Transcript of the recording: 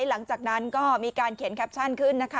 หลังจากนั้นก็มีการเขียนแคปชั่นขึ้นนะคะ